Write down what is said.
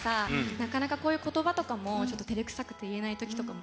なかなかこういう言葉とかもちょっとてれくさくて言えないときとかもあるじゃない。